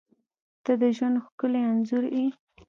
• ته د ژوند ښکلی انځور یې.